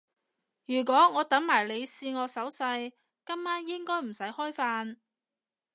如果我等埋你試我手勢，今晚應該唔使開飯